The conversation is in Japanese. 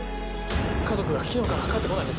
家族が昨日から帰って来ないんです。